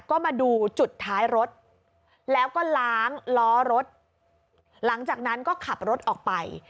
ก็มาดูจุดท้ายรถแล้วก็ล้างล้อรถหลังจากนั้นก็ขับรถออกไป